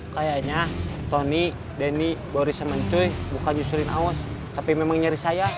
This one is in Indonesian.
kayaknya tony denny boris sama cuy bukan nyusulin awos tapi memang nyari saya